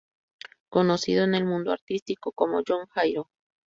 Conocido en el mundo artístico como Jhon Jairo.